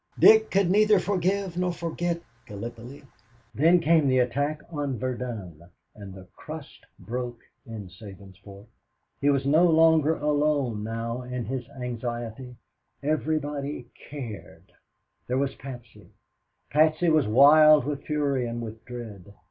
Dick could neither forgive nor forget Gallipoli. Then came the attack on Verdun and the crust broke in Sabinsport. He was no longer alone now in his anxiety. Everybody cared. There was Patsy. Patsy was wild with fury and with dread.